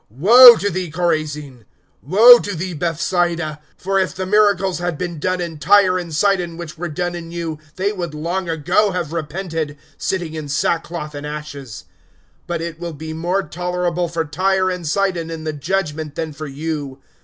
(13)Woe to thee, Chorazin! Woe to thee, Bethsaida! For if the miracles had been done in Tyre and Sidon, which were done in you, they would long ago have repented, sitting in sackcloth and ashes. (14)But it will be more tolerable for Tyre and Sidon in the judgment, than for you.